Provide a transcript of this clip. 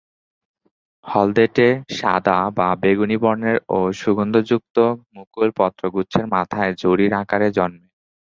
হলদেটে সাদা বা বেগুনি বর্ণের ও সুগন্ধযুক্ত মুকুল পত্রগুচ্ছের মাথায় ঝুরির আকারে জন্মে।